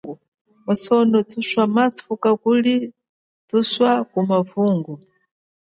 Musono thuswa mathuka kuli athu amavungo.